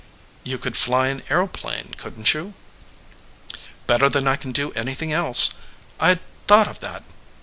"You could fly an aeroplane, couldn t you ?" "Better than I can do anything else. I d thought of that.